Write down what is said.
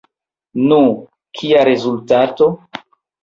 Nu, kia rezultato?